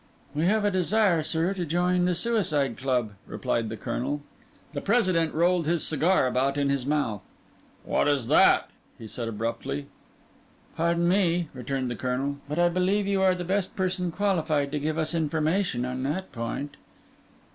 "We have a desire, sir, to join the Suicide Club," replied the Colonel. The President rolled his cigar about in his mouth. "What is that?" he said abruptly. "Pardon me," returned the Colonel, "but I believe you are the person best qualified to give us information on that point."